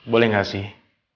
boleh gak sih